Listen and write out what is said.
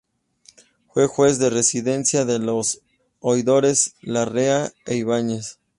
Fue juez de residencia de los oidores Larrea e Ibáñez.